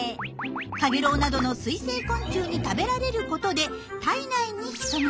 カゲロウなどの水生昆虫に食べられることで体内に潜みます。